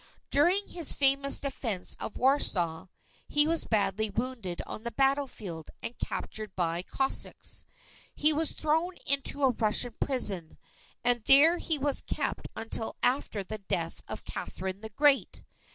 During his famous defense of Warsaw, he was badly wounded on the battle field, and captured by Cossacks. He was thrown into a Russian prison; and there he was kept until after the death of Catherine the Great.